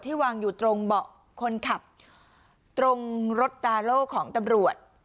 วางอยู่ตรงเบาะคนขับตรงรถดาโล่ของตำรวจ